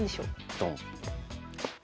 ドン。